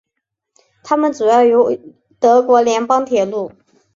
它们主要由德国联邦铁路。